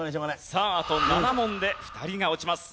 さああと７問で２人が落ちます。